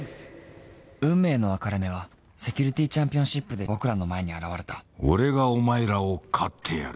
運命の分かれ目はセキュリティチャンピオンシップで僕らの前に現れた俺がお前らを買ってやる